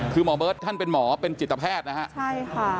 คือหมอเบิร์ตท่านเป็นหมอเป็นจิตแพทย์นะฮะใช่ค่ะ